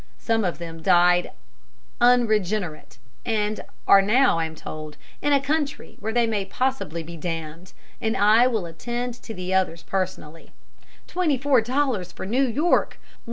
Some of them died unregenerate, and are now, I am told, in a country where they may possibly be damned; and I will attend to the others personally. Twenty four dollars for New York!